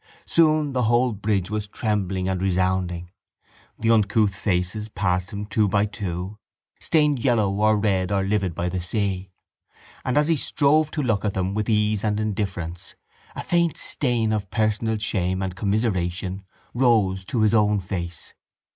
Soon the whole bridge was trembling and resounding. The uncouth faces passed him two by two, stained yellow or red or livid by the sea, and, as he strove to look at them with ease and indifference, a faint stain of personal shame and commiseration rose to his own face.